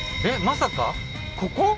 まさかここ？